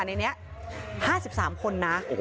ในนี้๕๓คนนะ